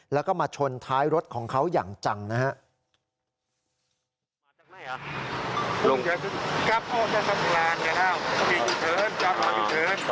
แล้วก็มาชนท้ายรถของเขาอย่างจังนะครับ